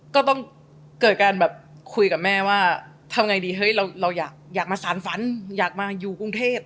ก็ต้องเกิดการแบบคุยกับแม่ว่าทำไงดีเฮ้ยเราอยากมาสารฝันอยากมาอยู่กรุงเทพ